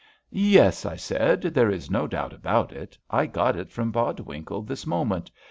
"Yes," I said, "there is no doubt about it. I got it from Bodwinkle this moment.